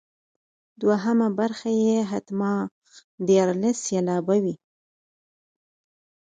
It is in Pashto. دوهمه برخه یې حتما دیارلس سېلابه وي.